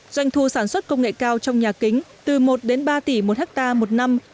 doanh thu sản xuất công nghệ cao trong nhà kính từ một đến ba tỷ một hectare một năm